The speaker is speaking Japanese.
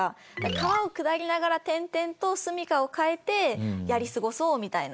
川を下りながら転々とすみかを変えてやり過ごそうみたいな。